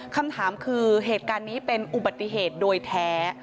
คำถามคือเหตุการณ์นี้เป็นอุบัติเหตุโดยแท้